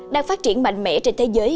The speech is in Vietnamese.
đang phát triển mạnh mẽ trên thế giới